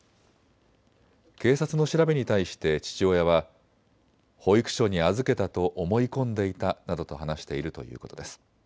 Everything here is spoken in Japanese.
警察の調べに対して父親は保育所に預けたと思い込んでいたなどと話しているということです。